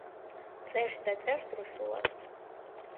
წერს და წერს რუსულად.